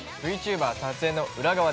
「ＶＴｕｂｅｒ撮影の裏側！」です。